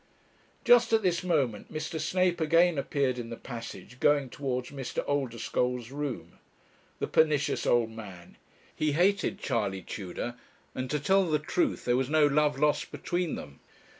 Just at this moment Mr. Snape again appeared in the passage, going towards Mr. Oldeschole's room. The pernicious old man! He hated Charley Tudor; and, to tell the truth, there was no love lost between them.